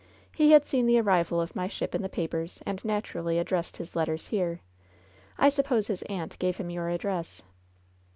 He had seen the arrival of my ship in the papers and naturally addressed his letters here. I suppose his aunt gave him your address."